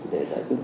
để giải quyết